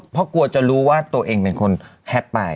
เพราะกลัวจะรู้ว่าตัวเองเป็นคนแฮปไป